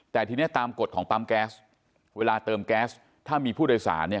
แต่ทีนี้ตามกฎของปั๊มแก๊สเวลาเติมแก๊สถ้ามีผู้โดยสารเนี่ย